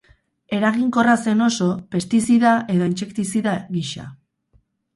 Eraginkorra zen oso pestizida edo intsektizida gisa.